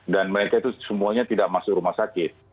dan mereka itu semuanya tidak masuk rumah sakit